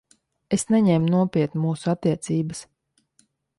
Es neņēmu nopietni mūsu attiecības.